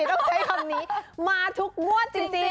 ต้องใช้คำนี้มาทุกงวดจริง